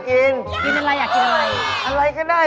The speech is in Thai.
กินอะไรอยากกินอาหาร